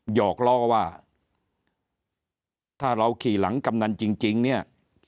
หอกล้อว่าถ้าเราขี่หลังกำนันจริงเนี่ย